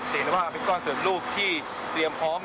เตรียมว่าเป็นก้อนเสือบรูปที่เตรียมพร้อม